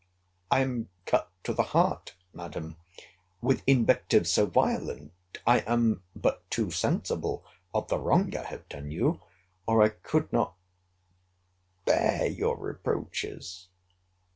I am cut to the heart, Madam, with invectives so violent. I am but too sensible of the wrong I have done you, or I could not bear your reproaches.